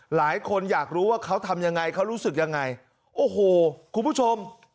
หลายคนอยากรู้ว่าเขาทำยังไงเขารู้สึกยังไงโอ้โหคุณผู้ชม